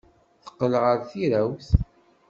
Teqqel ɣer tirawt.